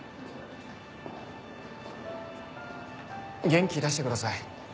元気出してください。